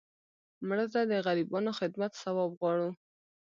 مړه ته د غریبانو خدمت ثواب غواړو